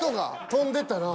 跳んでたら。